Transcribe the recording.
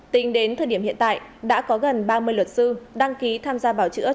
tính đến thời điểm hiện tại đã có gần ba mươi luật sư đăng ký tham gia bảo chữa